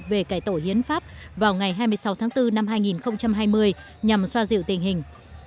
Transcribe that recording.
về cải tổ hiến pháp vào ngày hai mươi sáu tháng bốn năm hai nghìn hai mươi nhằm xoa dịu tình hình